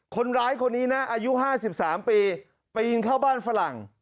คนร้ายคนนี้นะอายุ๕๓ปีปีนเข้าบ้านฝรั่ง